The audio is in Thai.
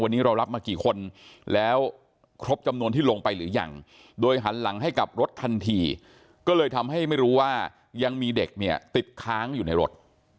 วันนี้เรารับมากี่คนแล้วครบจำนวนที่ลงไปหรือยังโดยหันหลังให้กับรถทันทีก็เลยทำให้ไม่รู้ว่ายังมีเด็กเนี่ยติดค้างอยู่ในรถ